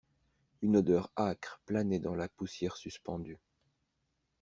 Une odeur âcre planait dans la poussière suspendue.